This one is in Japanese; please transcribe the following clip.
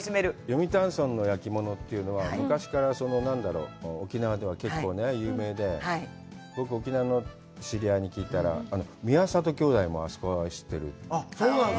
読谷村の焼き物というのは、昔から、沖縄では結構有名で、僕、沖縄の知り合いに聞いたら、宮里きょうだいもあそこは知ってる。